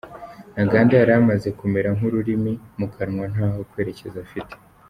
Ntaganda yari amaze kumera nk’ururimi mu kanwa ntaho kwerekeza afite.